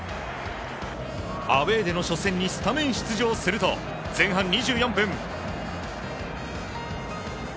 アウエーでの初戦にスタメン出場すると、前半２４分。